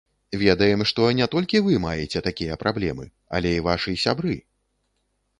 Ведаем, што не толькі вы маеце такія праблемы, але і вашы сябры?